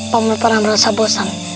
pamer pernah merasa bosan